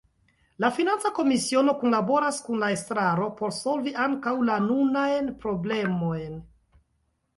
La financa komisiono kunlaboras kun la estraro por solvi ankaŭ la nunajn problemojn.